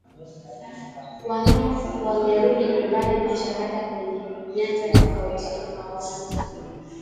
wanao wangerudi nyumbani na shahada kwenye Nyanja tofauti tofauti